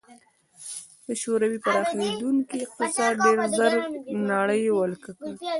د شوروي پراخېدونکی اقتصاد ډېر ژر نړۍ ولکه کړي